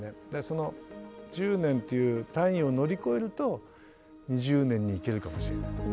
その１０年っていう単位を乗り越えると２０年にいけるかもしれない。